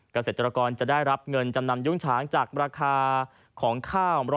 เกษตรกรจะได้รับเงินจำนำยุ้งฉางจากราคาของข้าว๑๐๐